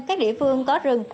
các địa phương có rừng